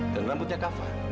dan rambutnya kava